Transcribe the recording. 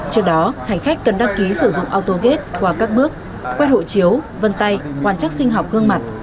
trước đó hành khách cần đăng ký sử dụng autogate qua các bước quét hộ chiếu vân tay hoàn chắc sinh học gương mặt